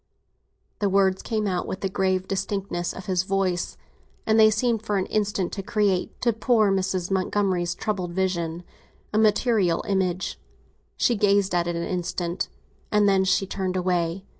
'" The words came out with the grave distinctness of his voice, and they seemed for an instant to create, to poor Mrs. Montgomery's troubled vision, a material image. She gazed at it an instant, and then she turned away.